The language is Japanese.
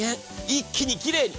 一気にきれいに。